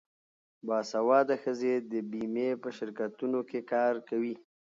باسواده ښځې د بیمې په شرکتونو کې کار کوي.